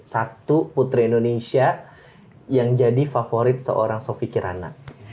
satu putri indonesia yang jadi favorit seorang sofi kirana